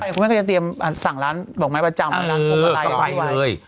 คุณแม่งก็จะเตรียมสั่งร้านประจำร้านของอะไรอย่างนี้ด้วย